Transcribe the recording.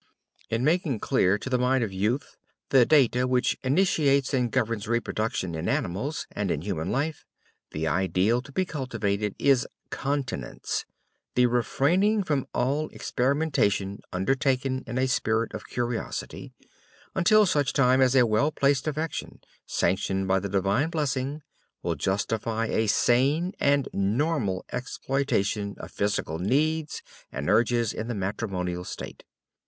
In making clear to the mind of youth the fact data which initiates and governs reproduction in animal and in human life, the ideal to be cultivated is continence, the refraining from all experimentation undertaken in a spirit of curiosity, until such time as a well placed affection, sanctioned by the divine blessing, will justify a sane and normal exploitation of physical needs and urges in the matrimonial state.